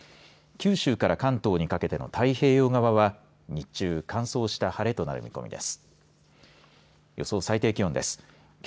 九州から関東にかけての太平洋側は日中、乾燥した晴れとなる見込みです。